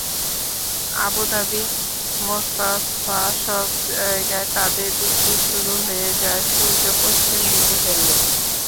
আবুধাবি-মোসাফফা—সব জায়গায় তাদের বিক্রি শুরু হয়ে যায় সূর্য পশ্চিম দিকে হেললেই।